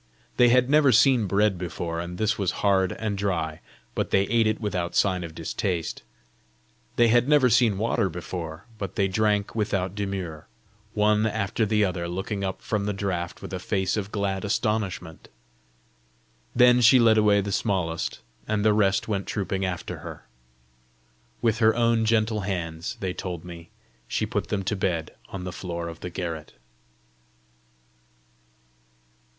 They had never seen bread before, and this was hard and dry, but they ate it without sign of distaste. They had never seen water before, but they drank without demur, one after the other looking up from the draught with a face of glad astonishment. Then she led away the smallest, and the rest went trooping after her. With her own gentle hands, they told me, she put them to bed on the floor of the garret.